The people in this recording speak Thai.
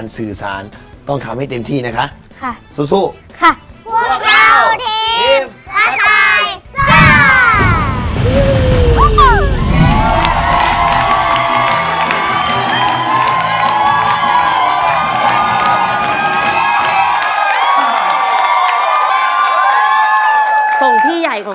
โซ่ไหมโซ่